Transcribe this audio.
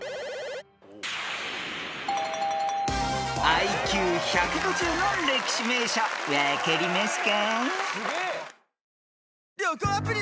［ＩＱ１５０の歴史名所分かりますか？］